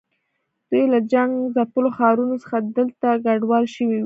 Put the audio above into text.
دوی له جنګ ځپلو ښارونو څخه دلته کډوال شوي دي.